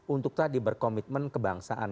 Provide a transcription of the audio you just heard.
untuk tadi berkomitmen kebangsaan